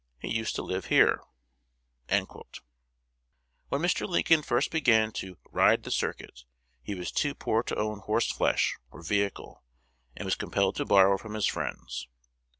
He used to live here." When Mr. Lincoln first began to "ride the circuit," he was too poor to own horseflesh or vehicle, and was compelled to borrow from his friends.